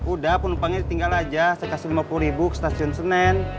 udah penumpangnya tinggal aja saya kasih lima puluh ribu ke stasiun senen